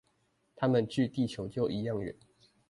它們距地球就一樣遠